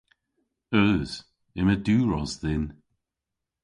Eus. Yma diwros dhyn.